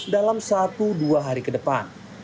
dalam satu dua hari ke depan